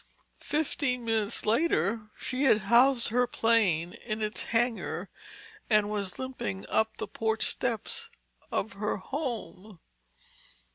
Fifteen minutes later she had housed her plane in its hangar, and was limping up the porch steps of her home.